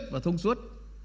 và thông suất